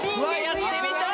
やってみたい！